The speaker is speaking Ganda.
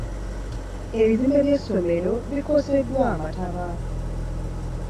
Ebizimbe by'essomero bikoseddwa amataba.